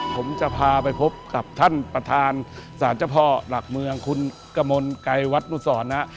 ผมจะพาไปพบกับท่านประธานศาลเจ้าพ่อหลักเมืองคุณกมลไกรวัดนุสรนะ